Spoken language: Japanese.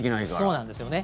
そうなんですよね。